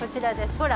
ほら